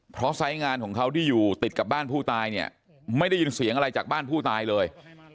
เพราะไซส์งานของเขาที่อยู่ติดกับบ้านผู้ตายเนี่ยไม่ได้ยินเสียงอะไรจากบ้านผู้ตายเลย